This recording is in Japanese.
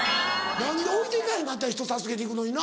何で置いていかへんかった人助けに行くのにな。